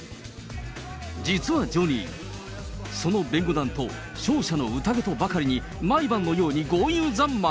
実はジョニー、その弁護団と勝者のうたげとばかりに、毎晩のように豪遊三昧？